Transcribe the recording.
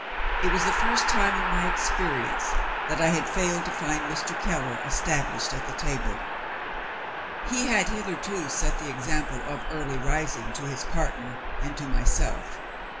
It was the first time in my experience that I had failed to find Mr. Keller established at the table. He had hitherto set the example of early rising to his partner and to myself.